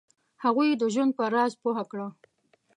هغوی یې د ژوند په راز پوه کړه.